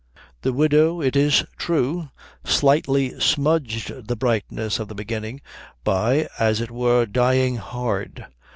The widow, it is true, slightly smudged the brightness of the beginning by, as it were, dying hard.